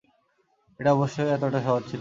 এটা অবশ্যই এতটা সহজ ছিল না।